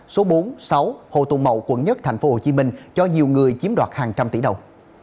số bốn sáu hồ tùng mậu quận một tp hcm cho nhiều người chiếm đoạt hàng trăm tỷ đồng